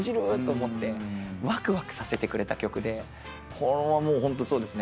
これはホントそうですね。